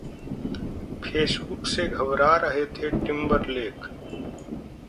Facebook से घबरा रहे थे टिंबरलेक!